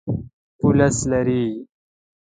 پولیس لري.